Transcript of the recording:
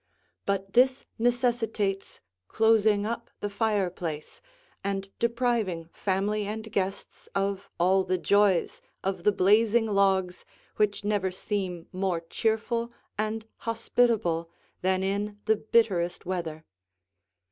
But this necessitates closing up the fireplace and depriving family and guests of all the joys of the blazing logs which never seem more cheerful and hospitable than in the bitterest weather.